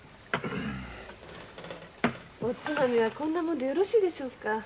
おつまみはこんなもんでよろしいでしょうか？